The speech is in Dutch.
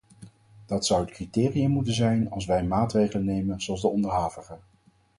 Dat zou het criterium moeten zijn als wij maatregelen nemen zoals de onderhavige.